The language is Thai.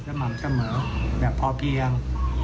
สม่ำเสมอแบบพอเพียง